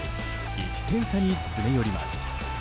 １点差に詰め寄ります。